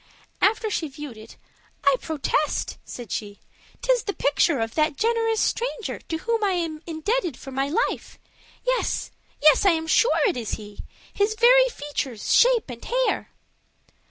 After she had viewed it, "I protest!" said she, "'tis the picture of that generous stranger to whom I am indebted for my life. Yes, yes, I am sure it is he; his very features, shape, and hair."